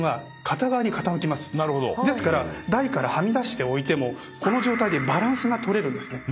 ですから台からはみ出して置いてもこの状態でバランスが取れるんです。